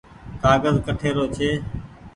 ڪآگز ڪٺي رو ڇي ۔